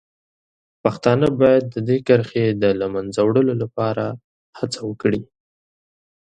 پښتانه باید د دې کرښې د له منځه وړلو لپاره هڅه وکړي.